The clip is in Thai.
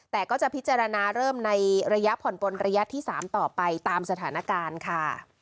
แต่ก็จะพิจารณาเริ่มในระยะผ่อนปนระยะที่๓ต่อไปตามสถานการณ์ค่ะ